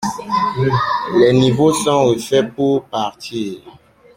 Les niveaux sont refaits pour partir.